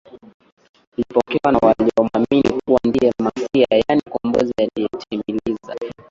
uliopokewa na waliomwamini kuwa ndiye Masiya yaani mkombozi aliyetimiliza